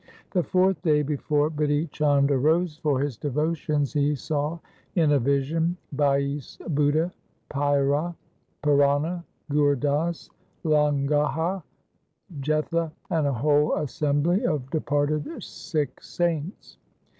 The fourth day, before Bidhi Chand arose for his devotions, he saw in a vision Bhais Budha, Paira, Pirana, Gur Das, Langaha, Jetha, and a whole assembly of departed Sikh saints.